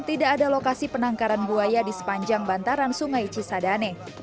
tidak ada lokasi penangkaran buaya di sepanjang bantaran sungai cisadane